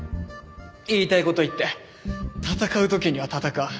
言いたい事言って戦う時には戦う。